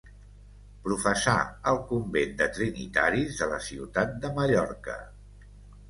Professà al convent de trinitaris de la Ciutat de Mallorca.